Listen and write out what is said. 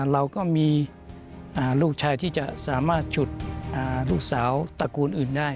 เราก็มีลูกชายที่จะสามารถฉุดลูกสาวตระกูลอื่นได้